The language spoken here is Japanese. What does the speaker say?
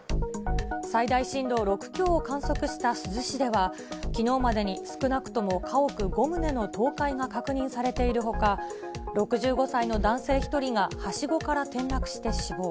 最大震度６強を観測した珠洲市では、きのうまでに少なくとも家屋５棟の倒壊が確認されているほか、６５歳の男性１人がはしごから転落して死亡。